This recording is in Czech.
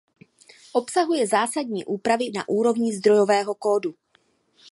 Obsahuje zásadní úpravy na úrovni zdrojového kódu.